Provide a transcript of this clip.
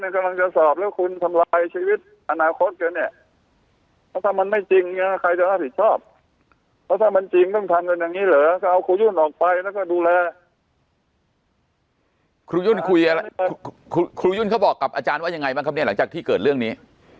ครูยุนเขาบอกกับอาจารย์ว่าอย่างไรบ้างครับหลังจากที่เกิดเรื่องนี้